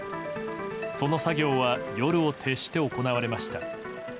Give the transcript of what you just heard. その作業は夜を徹して行われました。